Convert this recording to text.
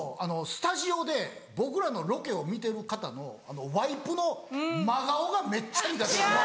スタジオで僕らのロケを見てる方のワイプの真顔がめっちゃ苦手なんですよ。